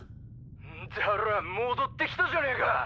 ンダラァ戻ってきたじゃねえか！